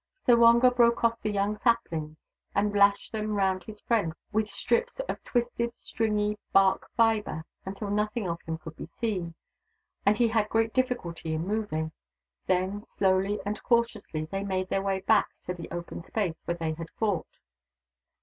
So Wonga broke off young saplings, and lashed them round his friend with strips of twisted stringy bark fibre, until nothing of him could be seen, and he had great difficulty in moving. Then, slowly and cautiously, they made their way back to the open space where they had fought.